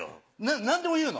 何でも言うの？